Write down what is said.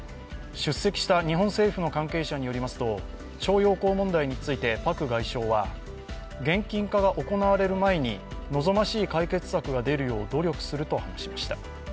出席した日本政府の関係者によりますと、徴用工問題について、パク外相は現金化が行われる前に望ましい解決策が出るよう努力すると話しました。